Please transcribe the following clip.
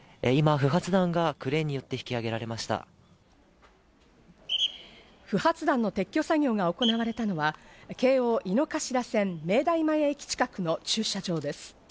不発弾の撤去作業が行われたのは、京王井の頭線、明大駅前近くの駐車場です。